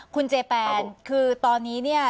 คุณเจแปนครับคุณคือตอนนี้เนี้ย